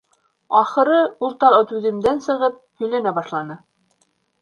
Ахыры, ул тағы түҙемдән сығып һөйләнә башланы: